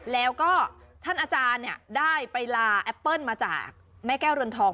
แล้วก็ท่านอาจารย์ได้ไปลาแอปเปิ้ลมาจากแม่แก้วเรือนทอง